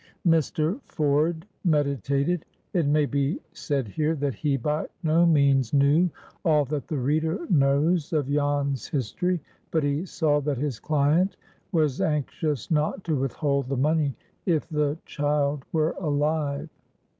Mr. Ford meditated. It may be said here that he by no means knew all that the reader knows of Jan's history; but he saw that his client was anxious not to withhold the money if the child were alive.